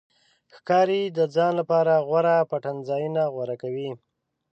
ښکاري د ځان لپاره غوره پټنځایونه غوره کوي.